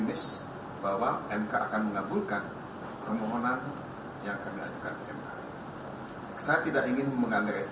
dan berpikir jangka panjang jadi pertanyaan anda mungkin agak salah awal